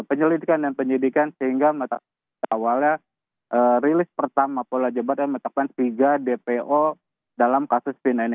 penyelidikan dan penyidikan sehingga awalnya rilis pertama pola jebatan menetapkan tiga dpo dalam kasus pina ini